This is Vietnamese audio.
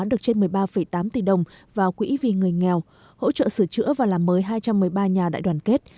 được trên một mươi ba tám tỷ đồng vào quỹ vì người nghèo hỗ trợ sửa chữa và làm mới hai trăm một mươi ba nhà đại đoàn kết